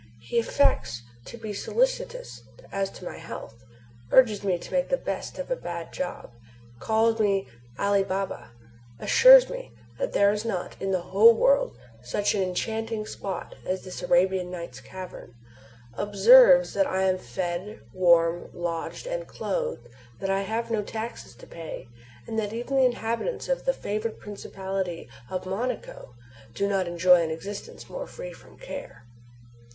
He affects to be solicitous as to my health, urges me to make the best of a bad job, calls me Ali Baba, assures me that there is not, in the whole world, such an enchanting spot as this Arabian Nights cavern, observes that I am fed, warmed, lodged, and clothed, that I have no taxes to pay, and that even the inhabitants of the favored principality of Monaco do not enjoy an existence more free from care.